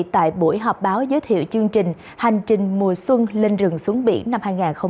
tại buổi họp báo giới thiệu chương trình hành trình mùa xuân lên rừng xuống biển năm hai nghìn hai mươi bốn